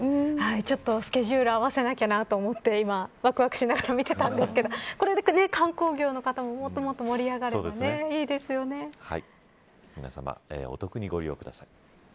ちょっとスケジュールを合わせなきゃなと思って今、わくわくしながら見てたんですけどこれで観光業の方ももっと盛り上がれば皆さまお得にご利用ください。